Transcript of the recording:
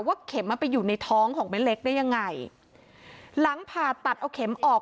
เข็มมันไปอยู่ในท้องของแม่เล็กได้ยังไงหลังผ่าตัดเอาเข็มออก